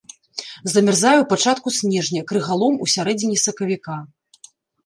Замярзае ў пачатку снежня, крыгалом у сярэдзіне сакавіка.